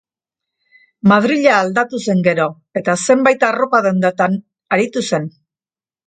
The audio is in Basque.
Madrila aldatu zen gero, eta zenbait arropa-dendatan aritu zen.